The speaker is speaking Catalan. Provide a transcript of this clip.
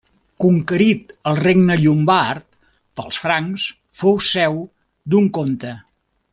Conquerit el regne llombard pels francs, fou seu d'un comte.